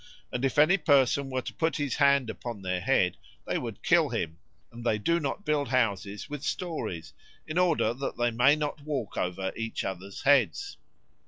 . and if any person were to put his hand upon their head they would kill him; and they do not build houses with storeys, in order that they may not walk over each other's heads."